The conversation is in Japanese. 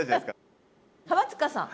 浜塚さん。